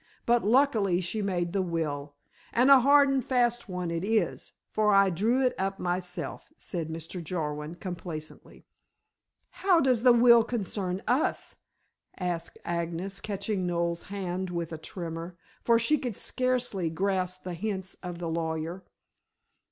But luckily she made the will and a hard and fast one it is for I drew it up myself," said Mr. Jarwin complacently. "How does the will concern us?" asked Agnes, catching Noel's hand with a tremor, for she could scarcely grasp the hints of the lawyer.